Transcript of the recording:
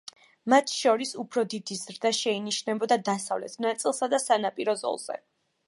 მათ შორის, უფრო დიდი ზრდა შეინიშნებოდა დასავლეთ ნაწილსა და სანაპირო ზოლზე.